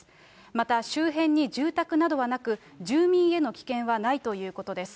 また周辺に住宅などはなく、住民への危険はないということです。